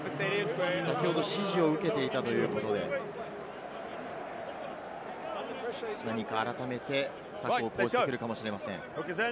先ほど指示を受けていたということで、何か改めて策を講じてくるかもしれません。